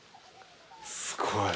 すごい。